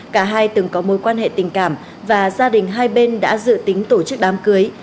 cả hai từng có mối quan hệ tình cảm và gia đình hai bên đã dự tính tổ chức đám cưới